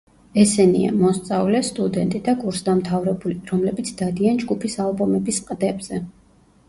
ესენია მოსწავლე, სტუდენტი და კურსდამთავრებული, რომლებიც დადიან ჯგუფის ალბომების ყდებზე.